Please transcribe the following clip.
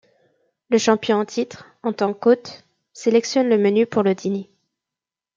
Le champion en titre, en tant qu'hôte, sélectionne le menu pour le dîner.